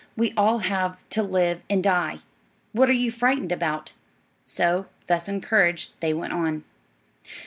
We all have to live and die. What are you frightened about?" So, thus encouraged, they went on.